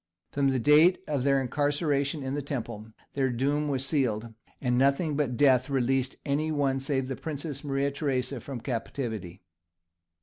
From the date of their incarceration in the Temple their doom was sealed, and nothing but death released any one save the Princess Marie Theresa from captivity.